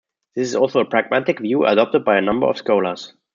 This is also a pragmatic view adopted by a number of scholars.